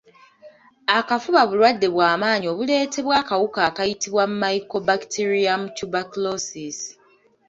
Akafuba bulwadde bwa maanyi obuleetebwa akawuka akayitibwa Mycobacterium Tuberculosis.